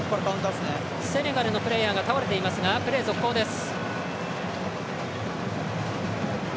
セネガルのプレーヤーが倒れていますがプレー続行です。